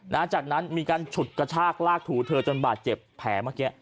จากนั้นมีการฉุดกระชากลากถูเธอจนบาดเจ็บแผลเมื่อกี้